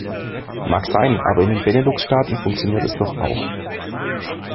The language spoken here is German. Mag sein, aber in den Benelux-Staaten funktioniert es doch auch.